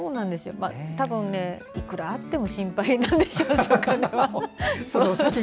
多分、いくらあっても心配なんでしょう。